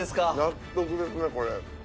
納得ですねこれ。